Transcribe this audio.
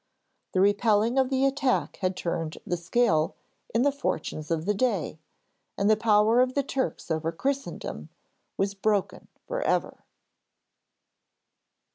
The repelling of the attack had turned the scale in the fortunes of the day, and the power of the Turks over Christendom was broken for ever.